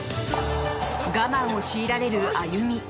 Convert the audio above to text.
我慢を強いられる歩。